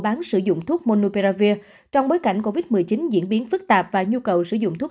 bán sử dụng thuốc monopearavir trong bối cảnh covid một mươi chín diễn biến phức tạp và nhu cầu sử dụng thuốc